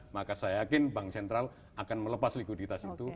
maka saya yakin bank sentral akan melepas likuiditas itu